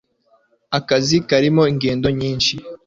Akazi karimo ingendo nyinshi.